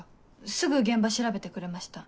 すぐ現場調べてくれました。